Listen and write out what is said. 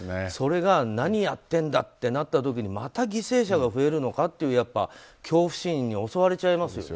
それが何やってんだってなった時にまた犠牲者が増えるのかという恐怖心に襲われちゃいます。